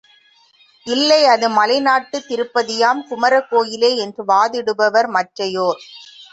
இல்லை அது மலைநாட்டுத் திருப்பதியாம் குமர கோயிலே என்று வாதிடுபவர் மற்றையோர்.